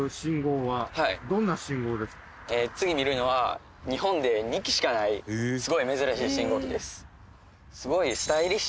次見るのは日本で２基しかないすごい珍しい信号機です。